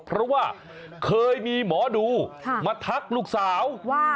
เพราะว่าเคยมีหมอดูมาทักลูกสาวว่า